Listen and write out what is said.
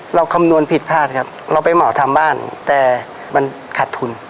คำนวณผิดพลาดครับเราไปเหมาทำบ้านแต่มันขาดทุน